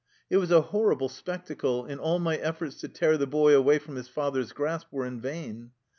It was a horrible spectacle, and all my efforts to tear the boy away from his father's grasp were in vain.